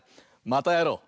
またやろう！